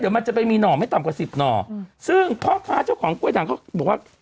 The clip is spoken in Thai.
เดี๋ยวมันจะไปมีหน่อไม่ต่ำกว่าสิบหน่อซึ่งพ่อค้าเจ้าของกล้วยด่างเขาบอกว่า